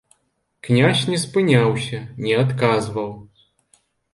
Князь не спыняўся, не адказваў.